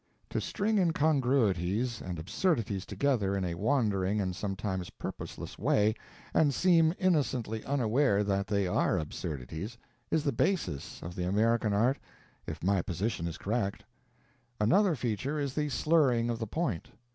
To string incongruities and absurdities together in a wandering and sometimes purposeless way, and seem innocently unaware that they are absurdities, is the basis of the American art, if my position is correct. Another feature is the slurring of the point.